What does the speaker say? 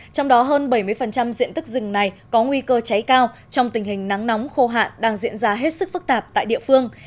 trong đó hơn bảy mươi diện tức rừng này có nguy cơ cháy cao trong tình hình nắng nóng khô hạn đang diễn ra hết sức phức tạp tại địa phương